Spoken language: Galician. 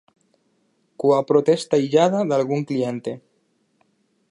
Coa protesta illada dalgún cliente.